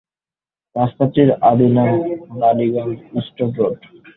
রাস্তাটির আদি নাম বালিগঞ্জ স্টোর রোড।